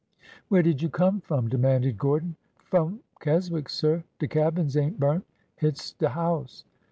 " Where did you come from ?" demanded Gordon. " F'om Keswick, sir. De cabins ain't burnt. Hit 's de house."